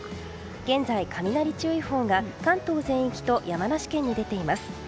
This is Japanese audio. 現在、雷注意報が関東全域と山梨県に出ています。